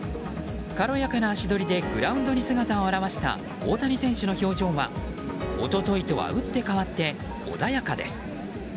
軽やかな足取りでグラウンドに姿を現した大谷選手の表情は一昨日とは打って変わって穏やかです。